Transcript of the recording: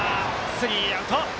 スリーアウト。